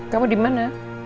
kamu di mana